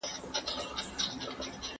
ده د پټو معاملو مخه ونيوله.